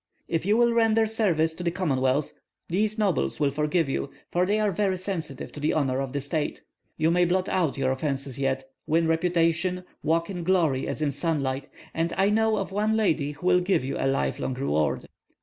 If you will render service to the Commonwealth, these nobles will forgive you, for they are very sensitive to the honor of the State. You may blot out your offences yet, win reputation, walk in glory as in sunlight, and I know of one lady who will give you a lifelong reward."